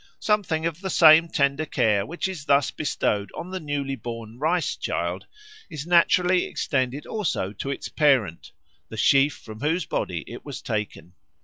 Something of the same tender care which is thus bestowed on the newly born Rice child is naturally extended also to its parent, the sheaf from whose body it was taken.